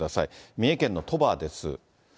三重県の鳥羽です。